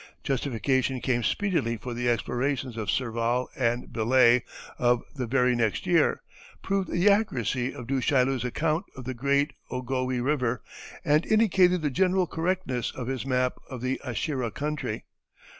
Justification came speedily, for the explorations of Serval and Bellay, of the very next year, proved the accuracy of Du Chaillu's account of the great Ogowe River, and indicated the general correctness of his map of the Ashira country.